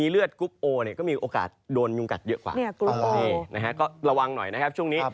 ละวางหน่อยนะครับช่วงนี้